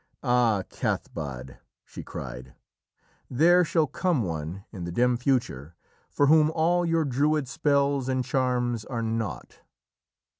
"Ah, Cathbad!" she cried, "there shall come One in the dim future for whom all your Druid spells and charms are naught."